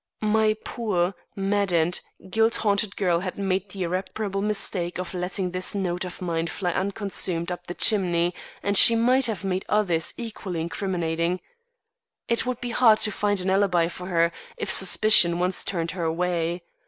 My poor, maddened, guilt haunted girl had made the irreparable mistake of letting this note of mine fly unconsumed up the chimney, and she might have made others equally incriminating. It would be hard to find an alibi for her if suspicion once turned her way.